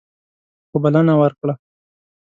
خو بلنه ورکړه.